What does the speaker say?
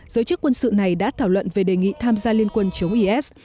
giới chức quân sự này đã thảo luận về đề nghị tham gia liên quân chống is